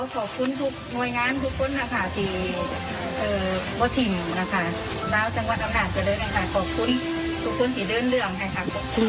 ขอบคุณทุกหน่วยงานทุกคนนะคะที่หัวถิ่นนะคะชาวจังหวัดอำนาจจะเดินทางขอบคุณทุกคนที่เดินเรื่องให้ค่ะ